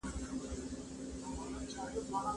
ولي د کارګرو خوندیتوب د فابریکو فعالیت مهم ګڼل کېږي؟